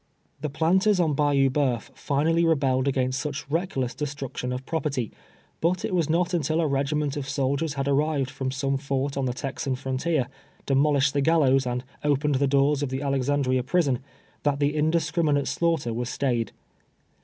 The planters on Bayou Banif finally rebelled against such reckless destruction of property, but it Mas not imtil a regiment of soldiers had arrived from some fort on the Texan frontier, demolished the gallows, and opened the doors of the Alexandria prison, that the indiscriminate slaughter was stayed.